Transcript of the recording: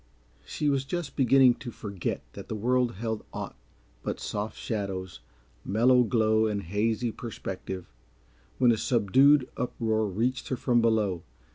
She was just beginning to forget that the world held aught but soft shadows, mellow glow and hazy perspective, when a subdued uproar reached her from below.